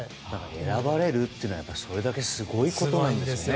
選ばれるというのはそれだけすごいことなんですね。